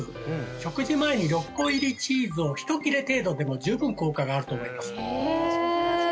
食事前に６個入りチーズを１切れ程度でも十分効果があると思いますへえ！